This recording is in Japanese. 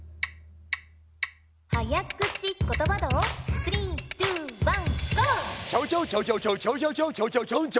早口ことば道スリーツーワンーゴー！